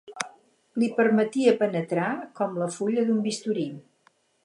Li permetia penetrar, com la fulla d'un bisturí